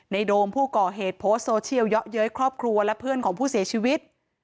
โดมผู้ก่อเหตุโพสต์โซเชียลเยอะเย้ยครอบครัวและเพื่อนของผู้เสียชีวิต